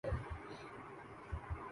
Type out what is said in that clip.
اسرائیل مغربی ایشیا کا ایک ملک ہے